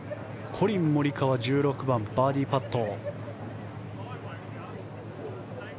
コリン・モリカワ１６番のバーディーパット。